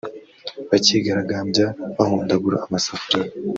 bakigaragambya bahondagura amasafuriya